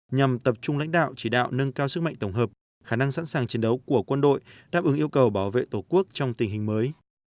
nhằm tập trung lãnh đạo chỉ đạo nâng cao sức mạnh tổng hợp khả năng sẵn sàng chiến đấu của quân đội đáp ứng yêu cầu bảo vệ tổ quốc trong tình hình mới